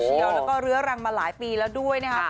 แล้วก็เรื้อรังมาหลายปีแล้วด้วยนะครับ